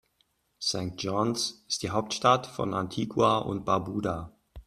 St. John’s ist die Hauptstadt von Antigua und Barbuda.